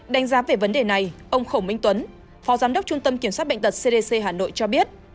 đánh giá về vấn đề này ông khổng minh tuấn phó giám đốc trung tâm kiểm soát bệnh tật cdc hà nội cho biết